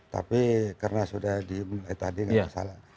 tapi karena sudah di mulai tadi nggak ada masalah